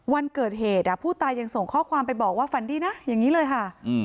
วันเกิดเหตุผู้ตายยังส่งข้อความไปบอกว่าฝันดีนะอย่างนี้เลยค่ะ